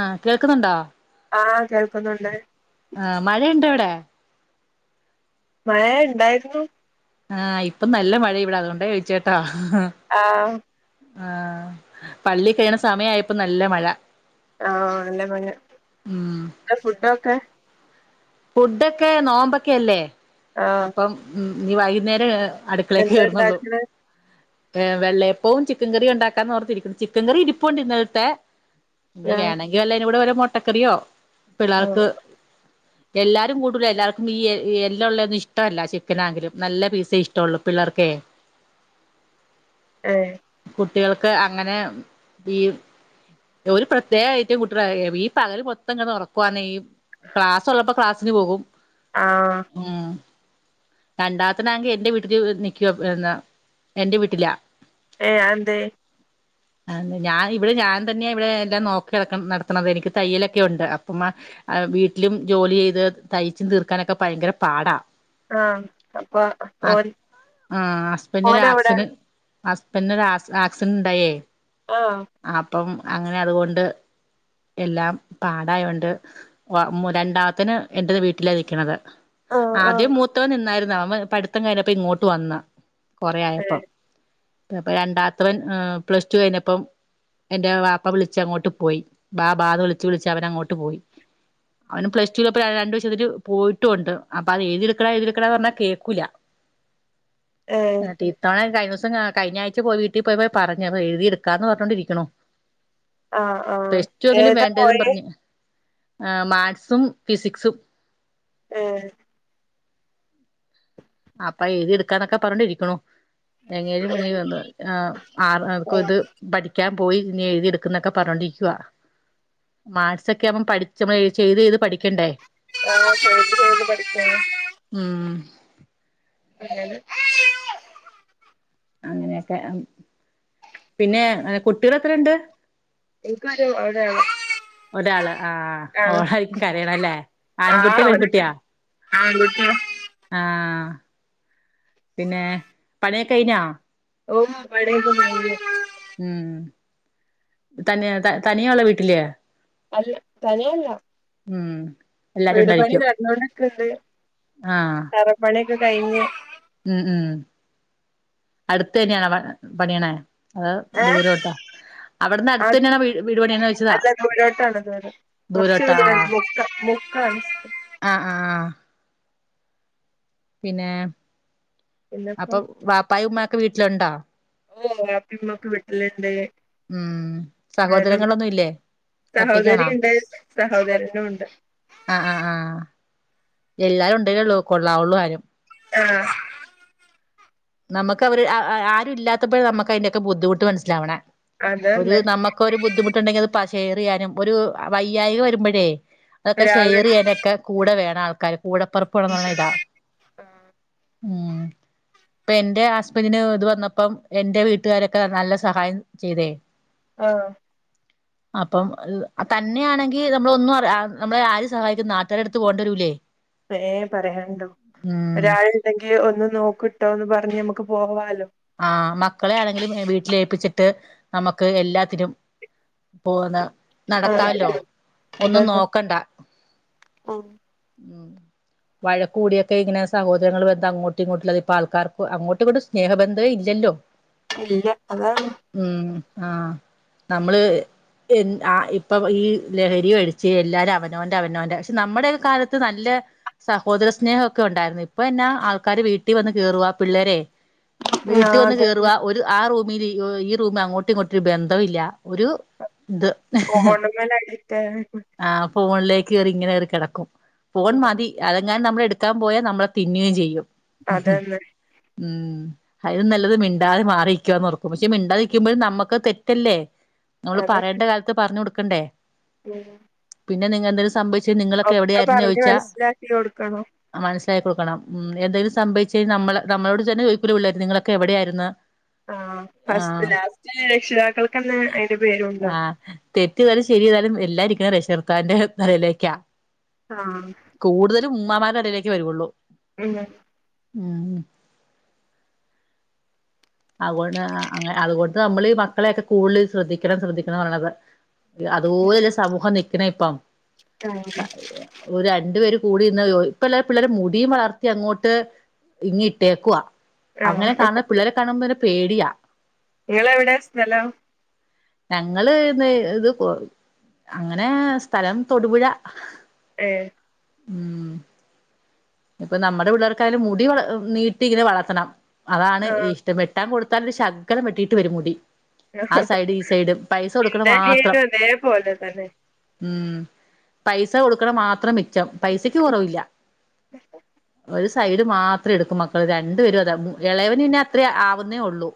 ആഹ കേൾക്കുന്നുണ്ടോ ആഹ് കേൾക്കുന്നുണ്ട് ആഹ മഴയുണ്ടോ ഇവിടെ മഴ ഉണ്ടായിരുന്നു ആഹ് ഇപ്പൊ നല്ല മഴ ഇവിടാ അതുകൊണ്ടേ ചോദിച്ചേട്ടാ ആഹ ആഹ പള്ളി കഴിണ സമയായപ്പ നല്ല മഴ ആഹ നല്ല മഴ ഉം ഫുഡൊക്കെ ഫുഡൊക്കെ നോമ്പൊക്കെല്ലേ ആഹ് അപ്പം ഉം ഇനീ വൈകുന്നേരം അടുക്കളേക്ക് എന്താ കയറന്നള്ളൂ ഇണ്ടാക്ക്ണ് ഏർ വെള്ളയപ്പവും ചിക്കൻ കറി ഉണ്ടാക്കാന്ന് ഓർത്തിരിക്കുന്നു ചിക്കൻ കറി ഇരിപ്പുണ്ട് ഇന്നലത്തെ ഇനി ആഹ് വേണെങ്കി വല്ല ഇനി കൂടെ വല്ല മുട്ടക്കറിയോ ആഹ് പിള്ളേർക്ക് എല്ലാരും കൂടുല എല്ലാർക്കും ഈ എല്ല് ഉള്ളന്നും ഇഷ്ടമല്ല ചിക്കനാണെങ്കിലും നല്ല പീസ് ഇഷ്ടമള്ളൂ പിള്ളേർക്കെ ഏഹ് കുട്ടികൾക്ക് അങ്ങനെ ഈ ഒരു പ്രത്യേകഅയിറ്റം കുട്ടികള ഈ പകല് മൊത്തം ഉറക്കവാന്ന ഈ ക്ലാസ് ഉള്ളപ്പോ ക്ലാസ്സിന് പോകും ആഹ രണ്ടാമത്തിനാങ്കിൽ എൻറെ വീട്ടില് നിക്കുവ എൻറെ വീട്ടിലാ ഏ എന്ത ഉ ആ ഞാൻ ഇവിടെ ഞാൻ തന്നെയാ ഇവിടെ എല്ലാം നോക്കി നടക്കണം നടത്തണുന്നത് എനിക്ക് തയ്യലൊക്കെ ഉണ്ട് അപ്പം വീട്ടിലും ജോലി ചെയ്ത് തയ്ച്ചും തീർക്കാനൊക്കെ ഭയങ്കര പാടാ ആഹ് അപ്പൊ ആ ഓൻ ആ ഹസ്ബന്റിന് ഒരു ഓനവിടെ ആക്‌സിഡന്റ് ഹസ്ബൻഡന് ആക്സിഡന്റ് ഉണ്ടായേ ആഹ് അപ്പം അങ്ങനെ അതുകൊണ്ട് എല്ലാം പാടായോണ്ട് ഉമ്മ രണ്ടാമത്തന് എന്റെ വീട്ടില നിൽക്കണത് ആഹ് ആഹ് ആദ്യം മൂത്തവൻ നിന്നായിരുന്നു നമ്മ പഠിത്തം കഴിഞ്ഞപ്പ ഇങ്ങോട്ട് വന്ന് കൊറെ ആയപ്പ ഏഹ് പ്പ രണ്ടാത്തവൻ പ്ലസ് ടു കഴിഞ്ഞപ്പം എന്റെ പാപ്പ വിളിച്ച അങ്ങോട്ട് പോയി ബാ ബാന്ന് വിളിച്ച് വിളിച്ച് അവൻ അങ്ങോട്ട് പോയി അവനും പ്ലസ് ടുവിൽ രണ്ട് വിഷയത്തിന് പോയിട്ടുണ്ട് അപ്പൊ അത് എഴുതിടുക്കഡാ എഴതിെടുക്കഡാ എന്ന് പറഞ്ഞാ കേക്കൂല്ല ഏഹ് എന്നിട്ടീത്തവണ കഴിഞ്ഞ കഴഞ്ഞ ആഴ്ച പോയി വീട്ടിൽ പോയി പോയി പറഞ്ഞ എഴുതി എടുക്കാന്ന് പറഞ്ഞോണ്ടിരിക്കണോ ആഹ് ആഹ് പ്ലസ് ടു എങ്കിലും ഏതാ വേണ്ടെന്നും പോയെ പറഞ്ഞു ആ മാത്സും ഫിസിക്സും ഏ അപ്പൊ ഏതിടുക്കാന്നൊക്കെ പറണ്ടിരിക്ക്ണു എങ്ങനെനും ഇങ്ങനെ വന്ന് ഏ ആർക്കും ഇത് പഠിക്കാൻ പോയി ഇനി എഴുതിയെടുക്കുംന്നൊക്കെ പറഞ്ഞോണ്ടിരിക്കുവ മാർസൊക്കെ അവൻ പഠിച്ച് ചെയ്ത് ചെയ്ത് പഠിക്ക ആ ശത് പഠിക്ക [unintelligible] ഉം ഏ അങ്ങനെയൊക്കെ പിന്നേ അ കുട്ടികൾ എത്ര ഉണ്ട് എനിക്ക് ഒരു ഒരാള് ഒരാള് ആ ആഹ് ഓളായിരിക്കും കരയണല്ലേ ആൺകുട്ടിയോ പെൺകുട്ടിയാ ആൺകുട്ടിയ ആ- പിന്നെ പണിയൊക്കെയ്ഞ്ഞോ ഓ പണിയൊക്കെ കയിഞ്ഞു ഉം തനിയ തനിയേ ഉള്ള വീട്ടിലേ അല്ല തനിയെ അല്ല ഉം എല്ലാരും വീട് പണി ഉണ്ടായിരിക്കും നടന്നോണ്ട്‌ക്ക്ണ്ട്‌ ആ തറപ്പണിയൊക്കെ കഴിഞ്ഞ് ഉം ഉം അടുത്ത് തന്നെയാണോ പണിയണേ ആ ദൂരോട്ടാ അവിടുന്ന് അടുത്ത് ആട തന്നെയാണ് വീ വീട് പണിയണന്ന് ചോദിച്ചതാ അല്ലദൂരോട്ടാണ് ദൂരം കുറച്ച് ദൂരം മുക്കാ ആണ് ആ ആ പിന്നേ പിന്നെപ്പോ അപ്പൊ വാപ്പായും ഉമ്മായൊക്കെ വീട്ടിലുണ്ടോ ഓ വാപ്പിമ്മക്ക് വിട്ടില്ണ്ട് ഉം സഹോദരങ്ങളൊന്നുംല്ലേ സഹോദരി ഒറ്റയ്ക്കാണോ ഉണ്ട് സഹോദരനും ഉണ്ട് ആ ആ ആ എല്ലാരും ഉണ്ടിലള്ളൂ കൊള്ളാവൊള്ളൂ ആരും ആ നമക്ക് അവര് അ ആ ആരും ഇല്ലാത്തപ്പോഴ നമക്ക് അതിന്റെക്കെ ബുദ്ധിമുട്ട് മനസ്സിലാവണേ ഒരു അതന്നെ നമുക്കൊരു ബുദ്ധിമുട്ടുണ്ടെങ്കിൽ അത് പ ഷെയർയ്യാനും ഒരു വയ്യായിക വരുമ്പോഴേ അതൊക്കെ ഒരാളുണ്ട് ഷെയറിയാനൊക്കെ കൂടെ വേണം ആൾക്കാർ കൂടെപ്പറപ്പ് വേണന്ന് പറയണത് ഇതാ ഉം ഇപ്പൊ എന്റെ ഹസ്ബൻറിന്റെ ഇത് വന്നപ്പം എൻറെ വീട്ടുകാരൊക്കെ നല്ല സഹായം ചെയ്തേ ആ അപ്പം ഇ തന്നെയാണെങ്കി നമ്മളൊന്നും അറിയ നമ്മളെ ആരു സഹായിക്കും നാട്ടുകരെടുത്ത് പോണ്ടി വരൂല്ലേ ഏ പറയാണ്ടോ ഒരാൾണ്ടെങ്കി ഒന്ന് നോക്ക്ട്ടോന്ന് പറഞ്ഞ ഞ് നമ്മക്ക് പോവാലോ ആ മക്കളെ ആണെങ്കിലും വീട്ടിലേൽപ്പിച്ചിട്ട് നമ്മക്ക് എല്ലാത്തിനും പോന്ന ആഹ് നടക്കാവല്ലോ ഒന്നും അതന്നെ നോക്കണ്ട ഉം ഉം വഴക്കൂടിയൊക്കെ ഇങ്ങനെ സഹദരങ്ങള് വെറുതെ അങ്ങോട്ടും ഇങ്ങോട്ടുള്ളത് ഇപ്പ ആൾക്കർക്ക് അങ്ങോട്ടും ഇങ്ങോട്ടും സ്നേഹബന്ധം ഇപ്പ ഇല്ലല്ലോ ഇല്ല അതാണ് ആ നമ്മള് എന്ത് ആ ഇപ്പൊ ഈ ലഹരി അടിച്ച് എല്ലാരും അവനോന്റെ അവനോന്റെ പക്ഷെ നമ്മുടെ കാലത്ത് നല്ല സഹോദര സ്നേഹൊക്കെ ഉണ്ടായിരുന്നു ഇപ്പ എന്നാ ആൾക്കാര് വീട്ടിവന്ന് കേറുവാ പിള്ളേരെ ആ വീട്ടിവന്ന് അതന്നെ കേയറുവ ഒരു ആ റൂമിൽ ഈ റൂമിൽ അങ്ങോട്ടും ഇങ്ങോട്ടുംരു ബന്ധംല്ലാ ഒരു ഇത് ഫോൺമ്മൽ അടിറ്റായി ആ ഫോണിലേക്ക് കയറി ഇങ്ങനെ കറി കിടക്കും ഫോൺ മതി അതെങ്ങാനും നമ്മളെടുക്കാൻ പോയാൽ നമ്മളെ തിന്നയും ചെയ്യും ഉം അതന്നെ ഉം അതലും നല്ലത് മിണ്ടാതെ മാറിരിക്കാനോർക്കും പക്ഷെ മിണ്ടാതിരിക്കുമ്പോഴും നമ്മുക്ക് തെറ്റല്ലേ? നമ്മള് പറയേണ്ട കാലത്ത് പറഞ്ഞു കൊടുക്കണ്ടേ? ഉം പിന്നെ നിങ്ങ എന്തെങ്കിലും സംഭവിച്ച നിങ്ങളൊക്കെ എവിടെയായിരുന്നു ചോദിച്ചാ? മനസ്സിലാക്കി കൊടുക്കണം മന ച കൊടുക്കണം ഉം എന്താങ്കിലും സംഭവിച്ച കഴിഞ്ഞാൽ നമ്മള നമ്മളോട് തന്നെ ചോയിക്കുലേ പിള്ളേയിരുന്നു നിങ്ങളൊക്കെ എവിടെയായിരിന്ന് ആ ഫസ്റ്റ് ലാസ്റ്റ് രക്ഷിതാക്കൾക്ക്ന്നെ അതിന്റെ പേരുണ്ടോ, തെറ്റി യ്താലും ശരിയ്താലും എല്ലാരിക്കുന്നത് രക്ഷർത്താന്റെ തലയിലേക്കാ. ആഹ മ്മമാടെടയിലേക്ക് വരുയുള്ളൂ. ഉം ഉം അതുകൊണ്ട് അങ്ങ അതുപോലെത്തെ നമ്മള് മക്കളെയൊക്കെ കൂടുതല് ശ്രദ്ധിക്കണം ശ്രദ്ധിക്കണം പറണത്. അതുപോലല്ല സമൂഹം നിക്കണ ഇപ്പം. ഒരു രണ്ടു പേരും കൂടരുന്ന് ഇപ്പല്ല പിള്ളേരെ മുടിയും വളർത്തി അങ്ങോട്ട് ഇങ്ങ ഇട്ടേക്കവാ അങ്ങനെ ആഹ് കാണുന്ന പിള്ളേരെ കാണുമ്പോെ പേടിയാ നിങ്ങളെവിടെ സ്ഥലോ ഞങ്ങള് ഇത് കൊ അങ്ങനെ സ്ഥലം തൊടുപുഴ ഏ ഉം ഇപ്പൊ നമ്മുടെ പിള്ളേർക്കായാലും മുടി നീട്ടി ഇങ്ങനെ വളർത്തണം. അതാണ് ആഹ് ഇഷ്ടം വെട്ടാൻ കൊടുത്താലൊരു ശകരം വെട്ടിട്ട് വരും മുടി. ആ സൈഡ് ഈ സൈഡ് പൈസ കൊടുക്കണ എന്റെ മാത്രം. അനിയനും അതേപോലെ തന്നെ ഉം പൈസ കൊടുക്കണ മാത്രം മിച്ചം പൈസക്ക് കുറവില്ല. [inaudible] ഒരു സൈഡ് മാത്രം എടുക്കും മക്കൾ രണ്ടുപേരും അത ഇളയവന് തന്നെ അത്രേ ആവുന്നേ ഉള്ളു.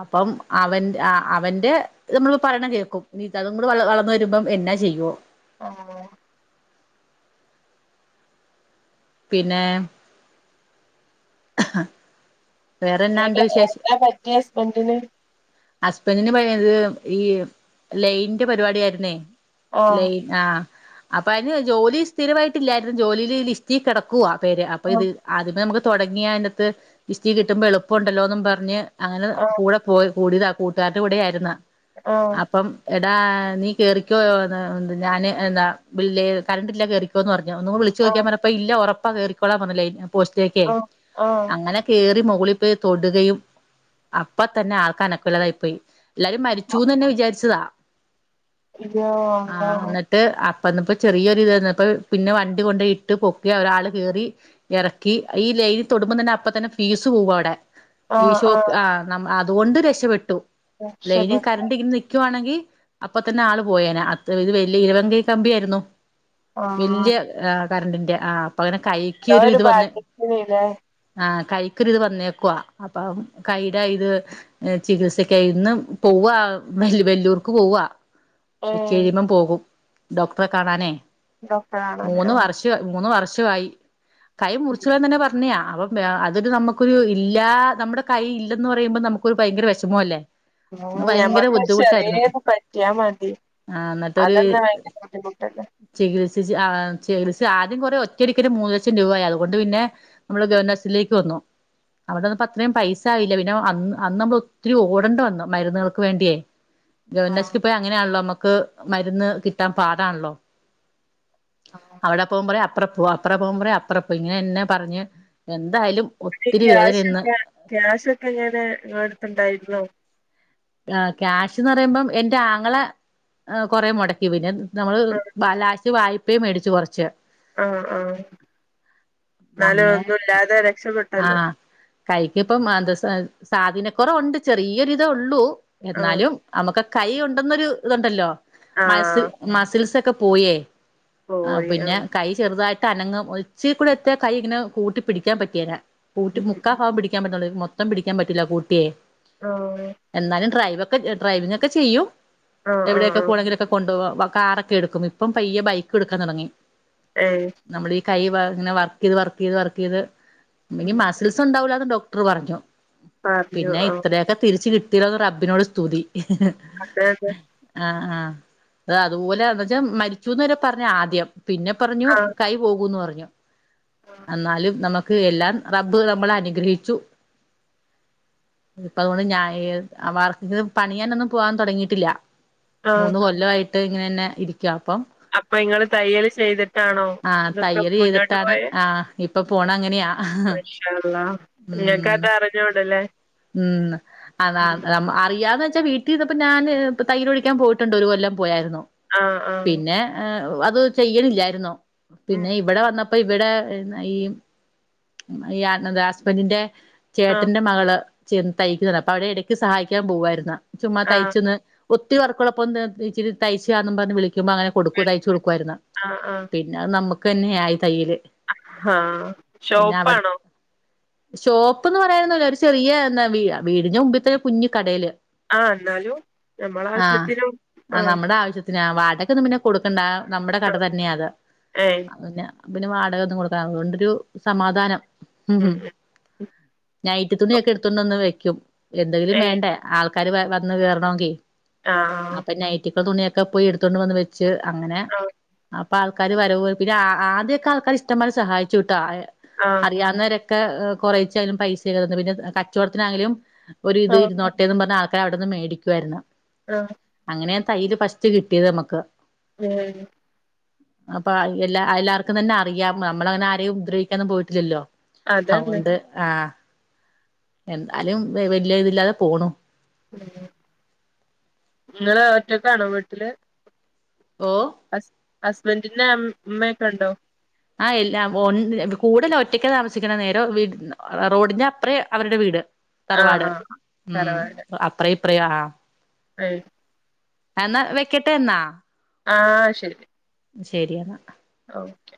അപ്പം അവന്റെ അവന്റെ നമ്മളി പറയണം കേൾക്കും നിത് അതും കൂടെ വളർന്ന വരുമ്പോം എന്നാ ചെയ്യുവോ? ആഹ പിന്നെ വേറെന്നാണ്ട് എക്ക എന്താ പറ്റിയെ ഹസ്ബന്റിന്? ഹസ്ബന്റിന് പണിയുന്നത് ഈ ലൈന്റെ പരിപാടി ആയിരുന്നേ. ആഹ് ലൈൻ ആഹ, അപ്പൊ അതിന് ജോലി സ്ഥിരമായിട്ടില്ലായിരുന്നു. ജോലിയില് ലിസ്റ്റിൽ കിടക്കുവവാ പേര് അപ്പൊ ആഹ് ഇത് ആദ്യമേ നമുക്ക് തുടങ്ങിയ അതിനകത്ത് ലിസ്റ്റി കിട്ടുമ്പോ എളുപ്പമുണ്ടല്ലോന്നും പറഞ്ഞ് അങ്ങനെ കൂടെ പോയി കൂടിതാ. കൂട്ടുകാരുടെ കൂടെ ആയിരുന്നേ ഓ എടാ നീ കേറിക്കോയോന്ന് ഞാന് എന്താ ബേല്ലേ കറണ്ട്ല്ല കേറിക്കോന്ന് പറഞ്ഞ ഒന്ന് വിളിച്ചുക്കാൻ ആഹ് പറഞ്ഞപ്പ ഇല്ല ഉറപ്പാ കേറിക്കൊളാ പറഞ്ഞേ ലൈ പോസ്റ്റിലേക്ക് ആഹ് ആഹ് അങ്ങനെ കേറി മുക മുകളി പോയി തൊടുകയും അപ്പ തന്നെ ആൾക്കനക്കല്ലതായി പോയി. എല്ലാരും മരിച്ചുന്ന്ന്നെ വിചാരിച്ചതാ. അയ്യോ ആഹ അള്ളാ എന്നിട്ട് അപ്പന്നേ ചെറിയൊര് തന്നപ്പോ പിന്നെ വണ്ടി കൊണ്ട് ഇട്ട് പൊക്കി ഒരാൾ കേറി ഇറക്കി. ത് തൊടുമ്പോ തന്നെ അപ്പതന്നെ ഫീസ് പോകും അവിടെ ഈ ആഹ് ഷോക്ക് ആഹ് ആ അതുകൊണ്ട് രക്ഷപെട്ടു. ലൈന് രക്ഷപെ കറണ്ട് ഇങ്ങനെ നിക്കുവാണെങ്കിൽ ഇ അപ്പ തന്നെ ആള് പോയനേ അ ഇത് വലിയ ഇരുവങ്കൈ കമ്പിയ ആയിരുന്നു. ആഹ് വലെയ കറണ്ടിന്റെ ആ അപ്പന്നെ അങ്ങനെ കൈക്ക് ആ ഒരു ഇത് വന്ന് ഭാഗ്യത്തിനില്ലേ ആ കൈക്കൊര് ഇത് വന്നേക്കവാ അപ്പൊ കൈടെ ഇത്, ചികിത്സക്കയിന്ന് പോവ വല്ലൂർക്ക് പോവ. ഏഹ് ഇച്ചിഴിയുമ്പം പോകും ഡോക്ടറെ കാണാനേ ഡോക്ടറാണല്ലേ മൂന്ന് ആഹ് വർഷ മൂന്ന് വർഷമായി കൈ മുറിച്ച പോയന്ന് തന്നെ പറ- അപ്പ അതൊരു നമുക്കൊരു ഇല്ലാ നമ്മുടെ കൈയില് ഇല്ലന്ന് പറയുമ്പോ നമുക്ക്- ഒരു ഭയങ്കര വിഷമോയല്ലേ ഉം ഞമ്മക്ക് ചെറിയത് പറ്റിയാ മതി ആ എന്നിട്ട് ഒരു അതന്നെ ഭയങ്കര ബുദ്ധിമുട്ടല്ലേ ചികിസ- ആദ്യം കോറെ ഒറ്റരിക്കന്നെ മൂന്ന് ലക്ഷം രൂപ ആയി അതുകൊണ്ട് പിന്നെ നമ്മള് [unintelligible] വന്നു അവിടെന്നപ്പോ അത്രെയും പൈസ ആയില്ല പിന്നെ അന്ന് അന്ന് നമ്മള് ഒത്തിരി ഓടണ്ട് വന്നു മരുന്നുകൾക്ക് വേണ്ടെ ആഹ് ഗവനസില് പോയി അങ്ങനെണല്ലോ മരുന്ന് കിട്ടാം പാടാണല്ലോ ആഹ് അവിടെ പോകുമ്പള് അത്ര പോ അത്ര പോകുമ്പേ അത്ര പറഞ് ഇങ്ങനെന്നെ പർഞ്ഞ് എന്തായാലും ഒത്തിരി വേദന ക്യാഷ് ഇന്ന് ഇല്ല ക്യാഷൊക്കെ ഞാന് ഇങ്ങളെടുത്ത് ഉണ്ടായിരുന്നോ? ആഹ് ക്യാഷ്ന്ന് പറയുമ്പം എന്റെ ആങ്ങള കൊറെ മോടക്കി പിന്നെ നമ്മള് ബലാശ വായ്പ്പയും മേടിച്ച് കോർച്ച് ആഹ് ആഹ് എന്നാലും അങ്ങനെ ഒന്നും ഇല്ലാതെ രക്ഷപ്പെട്ടല്ലോ ആഹ് കൈക്ക് ഇപ്പം മന്ത്‌സ സാധീനകോറവ് ഉണ്ട് ചെറിയ ഒരിതെ ഒള്ളൂ ആഹ് എന്നാലും നമക്ക് കൈ ഉണ്ടെന്നൊരു ഇതുണ്ടല്ലോ മസിൽ ആഹ് മസിൽസൊക്കെ പോയേ ആഹ് പിന്നെ കൈ ചെറുതായിട്ട് അനങ്ങും ഒച്ചികുള്ളെ കൈ ഇങ്ങനെ കൂട്ടി പിടിക്കാൻ പറ്റിയേരാ കൂട്ടി ഉം മുക്കാ ഭാഗം പിടിക്കാൻ പറ്റ്ന്നു മൊത്തം പിടിക്കാൻ പറ്റില്ല കൂട്ടെ ആഹ് എന്നാലും ഡ്രൈവ്ക്കെ ഡ്രൈവിങ്‌ ക്കെ ചെയ്യും ആഹ് ആഹ് എവിടെക്കെ ആഹ് പോണങ്കിലും കൊണ്ടോവാ കാറൊക്കെ എട്ക്കും ഇപ്പം പയ്യെ ബൈക്ക് ഇട്ക്കാൻ തോടങ്ങി ഏഹ് കൈ ഇങ്ങനെ വർക്കെയ്ത് വർക്കെയ്ത് വർക്കെയ്ത് ഇനി ഉം മസിൽസ് ഉണ്ടാവൂല്ലാന്ന് ഡോക്ടർ പറഞ്ഞു. പറഞ്ഞു പിന്നെ ആഹ് ഇത്രയൊക്കെ തിരിച്ച് കി [unintelligible] റബിനോട് സ്തുതി അതായത് ആഹ് ആഹ് അതുപോലെ ന്നച്ചാ മരിച്ചുന്ന് വരെ പർഞ് ആദ്യം പിന്നെ പർഞ്ഞു ആഹ് കൈ പോകൂന്ന് പർഞ്ഞു ആഹ് അന്നാലും നമുക്ക് എല്ലാം റബ്ബ് നമ്മളെ അനുഗ്രഹിച്ചു ഇപ്പ അതുകൊണ്ട് ഞ വർക്കിങ്ങ്ന് പണിയാനൊന്നും പോവാൻ തോടങ്ങിട്ടില്ല ആഹ് മൂന്ന് കൊല്ലായിട്ട് ഇങ്ങനെന്നെ ഇ അപ്പൊ ഇങ്ങള് തയ്യല് ചെയ്തിട്ടാണോ ഇതൊക്കെ മുന്നോട്ട് പോയെ? ആഹ് ഇപ്പം പോണം അങ്ങനെയ ഇന്ഷാ അള്ളാ നിനക്ക് അത് അറിഞ്ഞുടാല്ലേ ഉം അതാ അറിയാതെ- എന്നുവച്ചാ വീട്ടിൽ നിന്നപ്പോ ഞാന് തൈയ്യല് പഠിക്കാൻ പോയിട്ടുണ്ട് ഒരു കൊല്ലം പോയാരുന്നു ആഹ് ആഹ് പിന്നെ- അത് ചെയ്യണില്ലായിന്നോ പിന്നെ ഇവിടെ വന്നപ്പോ ഇവിടെ ഈ- ഈ ഹസ്ബന്ഡിന്റെ ആഹ് ചേട്ടന്റെ മകള് ച തയ്ക്കുന്നണ്ട് അപ്പൊ അവിടെ ഇടയ്ക്ക് സഹായിക്കാൻ പോവുയിരുന്ന ചുമ്മാ ആഹ് തയ്ച്ചന്ന്- ഒത്തിരി വർക്കുള്ളപ്പം ഒന്ന് ഇച്ചിരി തയ്ച്ചുതാന്ന് പറഞ് വിളിക്കും വിളിക്കുമ്പോ അങ്ങനെ കൊടുക്കും തയ്ച്ചു കൊടുക്കുമായിരുന്നു ആഹ് ആഹ് പിന്നെ അത് നമുക്ക് തന്നെയ ആയി തൈയ്യല് ആഹ് ഷോപ്പാണോ ഷോപ്പ്ന്ന് പറഎന്നൊന്നുമില്ല ഒരു ചെറിയ എന്താ വീടാ വീടിന്റെ മുമ്പിൽത്തന്നെ കുഞ്ഞു കടയില്- ആഹ് എന്നാലും നമ്മളെ ആവശ്യത്തിനും ആഹ് പിന്നെ വാടകൊന്നും പിന്നെ കൊടുക്കണ്ട നമ്മുടെ കട ആഹ് തന്നെയ അത് ഏഹ് പിന്നെ- അപ്പൊ പിന്നെ വാടകൊന്നും കൊടുക്കാ അതൊണ്ടരു സമാധാനം ഉം നെറ്റി തുണിയൊക്കെ എടുത്തോണ്ട് വന്ന് വെക്കും എന്തെങ്കിലും ഏഹ് വേണ്ടേ ആൾ- ക്കാര് വരണ്ന്ന് കേയറണമെങ്കിൽ ആഹ് ആ തുണിയൊക്കെ പോയി എടുത്തൊണ്ട് വന്ന് വെച്ച് അങ്ങനെ- ആഹ് അപ്പ ആൾക്കാര് വരവ് പിന്നെ ആദ്യമൊക്കെ ആൾക്കാരിഷ്ടപോലെ സഹായിച്ചു ട്ടോ ആഹ് അറിയാവുന്നവരെ- ക്കെ കൊറേച്ചായാലും പൈസയൊക്കെ തന്നു പിന്നെ കചോടത്തിന് ആണ്ണെങ്കിലും ഒരു ഇത് ആഹ് ഇരുന്നോട്ടേന്ന് പറഞ് ആ- അവിടെന്ന് മേടിക്കുവായിരുന്നു ആഹ് അങ്ങനെയാ തൈയ്യല് ഫസ്റ്റ് കിട്ടിയത് നമുക്ക് ഉം [unintelligible] അപ്പൊ എല്ലാ എല്ലാവർക്കും തന്നെ അറിയാം നമ്മള് അങ്ങനെ ആരെയും ഉദ്രവിക്കാനൊന്നും പോയിട്ടില്ലല്ലോ അതന്നെ അതൊണ്ട് ആഹ് എന്താലും വലിയ ഇതില്ലാതെ പോണു നിങ്ങള് ഒറ്റക്കാണോ വീട്ടില് ഓ ഹസ്ബൻറിന്റെ അ അമ്മയൊക്കെ ഉണ്ടോ ആഹ് എല്ലാം ഒ കൂടുതൽ ഒറ്റക്ക് താമസിക്കണ നേരോ റോഡിന്റെ അപ്പറേം അവരുടെ വീട് ആഹ് തറവാട് ആഹ് ഉം അപ്രയും ഇപ്രയും ആഹ അയി എന്നാ വെക്കട്ടെ എന്നാ ആഹ് ശരി ശരിയെന്നാ ഓക്കെ